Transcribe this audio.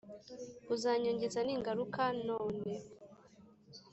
uzanyongeza ningaruka none